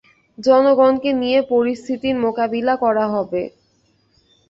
জনগণকে নিয়ে পরিস্থিতির মোকাবিলা করা হবে।